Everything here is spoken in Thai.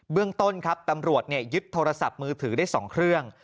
เรื่องต้นครับตำรวจยึดโทรศัพท์มือถือได้๒เครื่อง